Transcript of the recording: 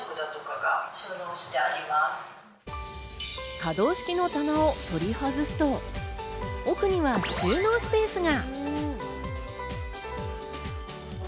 可動式の棚を取り外すと奥には収納スペースが。